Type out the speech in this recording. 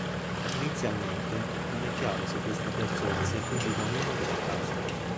Inizialmente, non è chiaro se questa persona sia fuggita o meno dalla casa.